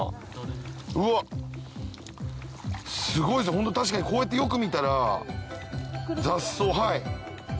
ホント確かにこうやってよく見たら雑草。